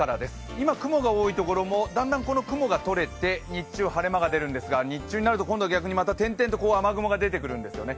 今、雲が多いところも、だんだんこの雲が取れて日中、晴れ間が出るんですが日中になると今度は逆に点々と雨雲が出てくるんですよね。